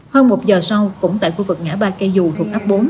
hơn một giờ sau cũng tại khu vực ngã ba cây dù thuộc ấp bốn